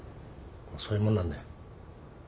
そういうもんなんだよ。